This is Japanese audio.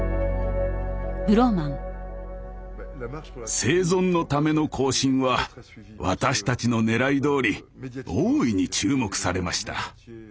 「生存のための行進」は私たちのねらいどおり大いに注目されました。